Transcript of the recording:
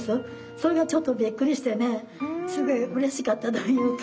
それがちょっとびっくりしてねすごいうれしかったというか。